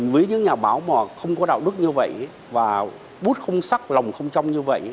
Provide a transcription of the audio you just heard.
với những nhà báo mà không có đạo đức như vậy và bút không sắc lòng không trong như vậy